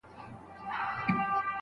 د خلګو سپکاوی د ایمان کمزوري ښيي.